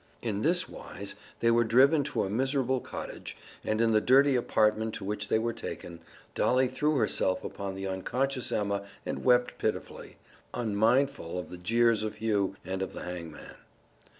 In this wise they were driven to a miserable cottage, and in the dirty apartment to which they were taken Dolly threw herself upon the unconscious Emma and wept pitifully, unmindful of the jeers of Hugh and of the hangman.